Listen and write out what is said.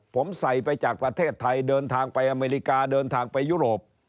ผมใส่ไปจากประเทศไทยเดินทางไปอเมริกาเดินทางไปยุโรป